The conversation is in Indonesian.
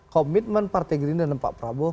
komitmen partai gerindra dan pak prabowo